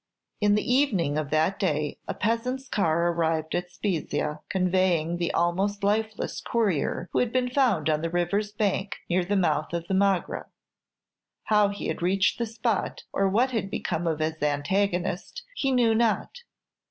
In the evening of that day a peasant's car arrived at Spezia, conveying the almost lifeless courier, who had been found on the river's bank, near the mouth of the Magra. How he had reached the spot, or what had become of his antagonist, he knew not.